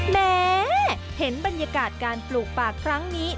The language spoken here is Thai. แม้เห็นบรรยากาศการปลูกปากครั้งนี้